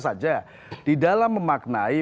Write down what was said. saja di dalam memaknai